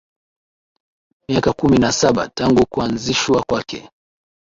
Miaka kumi na saba tangu kuanzishwa kwake